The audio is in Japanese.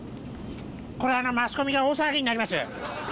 これはマスコミが大騒ぎになります